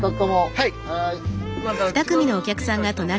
はい。